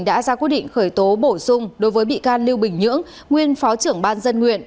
đã ra quyết định khởi tố bổ sung đối với bị can lưu bình nhưỡng nguyên phó trưởng ban dân nguyện